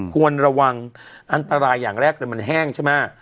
ควรระวังอันตรายอย่างแรกเลยมันแห้งใช่ไหม